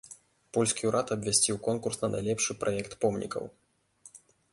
Польскі ўрад абвясціў конкурс на найлепшы праект помнікаў.